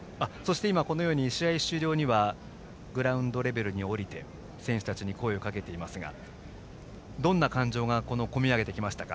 試合終了後にはグラウンドレベルに降りて選手たちに声をかけていますがどんな感情が込み上げてきましたか。